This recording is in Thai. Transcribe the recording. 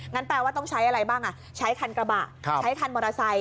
แปลว่าต้องใช้อะไรบ้างใช้คันกระบะใช้คันมอเตอร์ไซค